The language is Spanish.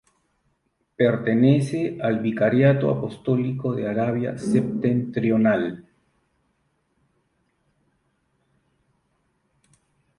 Pertenece al Vicariato Apostólico de Arabia Septentrional.